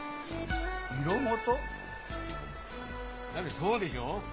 色事？だってそうでしょう？